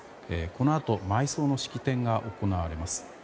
このあと埋葬の式典が行われます。